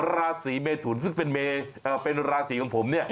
ราศรีเมทุนซึ่งเป็นราศรีของผม